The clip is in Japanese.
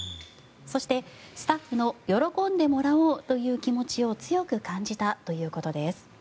そしてスタッフの喜んでもらおうという気持ちを強く感じたということです。